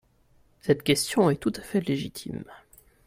Cette question est tout à fait légitime.